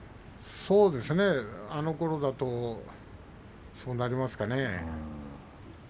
そうですね、あのころだとそうなりましたね。